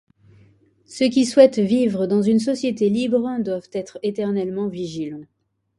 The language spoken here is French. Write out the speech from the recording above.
Ceux qui souhaitent vivre dans une société libre doivent être éternellement vigilants.